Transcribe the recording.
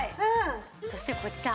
そしてこちら。